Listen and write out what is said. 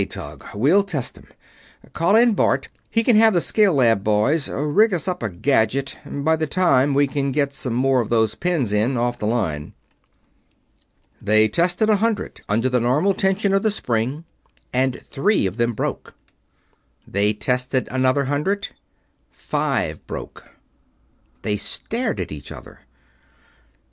Tug. We'll test 'em. Call Bart in he can have the scale lab boys rig us up a gadget by the time we can get some more of those pins in off the line." They tested a hundred, under the normal tension of the spring, and three of them broke. They tested another hundred. Five broke. They stared at each other.